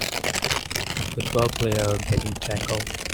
a football player getting tackle